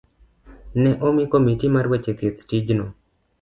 ne omi komiti mar weche thieth tijno.